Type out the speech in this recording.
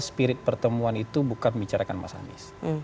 spirit pertemuan itu bukan bicarakan mas anis